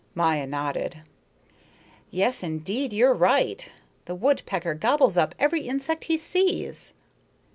Maya nodded. "Yes, indeed, you're right. The woodpecker gobbles up every insect he sees."